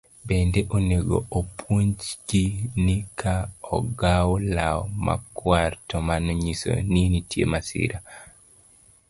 Bende onego opuonjgi ni ka ogaw law makwar to mano nyiso ni nitie masira